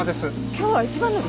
今日は一番乗り？